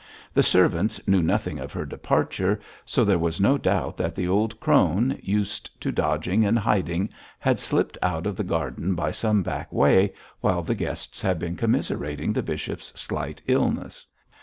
The servants knew nothing of her departure, so there was no doubt that the old crone, used to dodging and hiding, had slipped out of the garden by some back way, while the guests had been commiserating the bishop's slight illness.